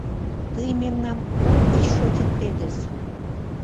Тый мемнам угыч шочыктетыс!